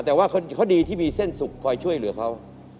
แต่ว่าเขาดีที่มีเส้นสุขคอยช่วยเหลือเขา